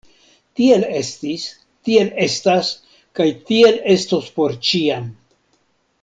Tiel estis, tiel estas kaj tiel estos por ĉiam!